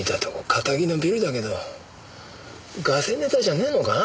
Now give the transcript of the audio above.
カタギのビルだけどガセネタじゃねえのか？